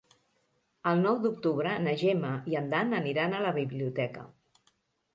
El nou d'octubre na Gemma i en Dan aniran a la biblioteca.